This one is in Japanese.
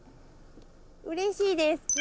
うれしいです。